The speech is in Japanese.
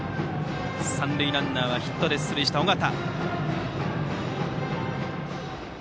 三塁ランナーはヒットで出塁した尾形。